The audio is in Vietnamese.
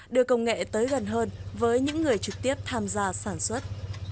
đưa công nghệ tới gần hơn với những người trực tiếp tham gia sản xuất